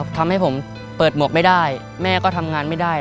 ทำให้ผมเปิดหมวกไม่ได้แม่ก็ทำงานไม่ได้